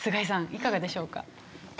いかがでしょうか？